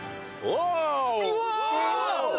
うわ！